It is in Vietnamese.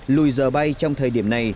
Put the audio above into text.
lùi giờ bay trong thời điểm này